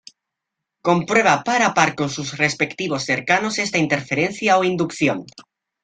Comprueba par a par con sus respectivos cercanos esta interferencia o inducción.